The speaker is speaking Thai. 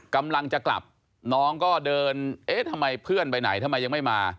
กำลังจะกลับน้องก็เดินเอ๊ะทำไมเพื่อนไปไหนทำไมยังไม่มา